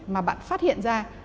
mà bạn phát hiện ra